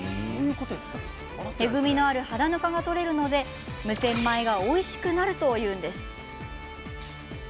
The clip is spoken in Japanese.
えぐみのある肌ぬかが取れるので無洗米がおいしくなるというんです。